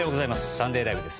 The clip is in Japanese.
「サンデーＬＩＶＥ！！」です。